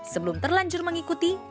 sebelum terlanjur mengikuti